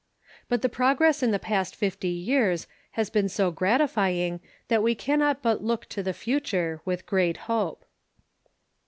IJut the progress in the past fifty years has been so gratifying that we cannot but look to the future with great hope.